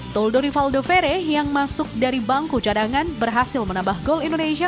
toldo rivaldo fere yang masuk dari bangku cadangan berhasil menambah gol indonesia